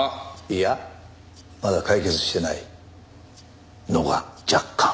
いやまだ解決してないのが若干。